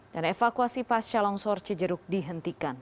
dan evakuasi pasca longsor cijeruk dihentikan